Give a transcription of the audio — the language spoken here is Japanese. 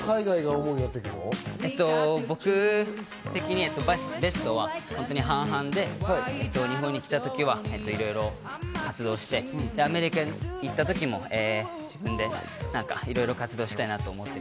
僕的にベストは半々で日本に来た時はいろいろ活動してアメリカにいたときもいろいろ活動したいなと思っていて。